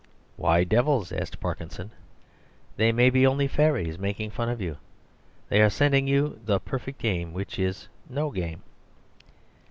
"Why devils?" asked Parkinson; "they may be only fairies making fun of you. They are sending you the 'Perfect Game,' which is no game."